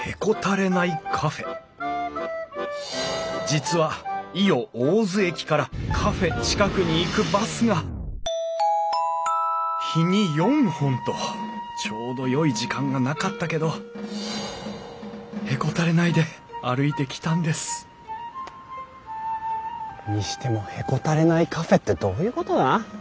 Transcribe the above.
実は伊予大洲駅からカフェ近くに行くバスが日に４本とちょうどよい時間がなかったけどへこたれないで歩いてきたんですにしても「へこたれないカフェ」ってどういうことだ？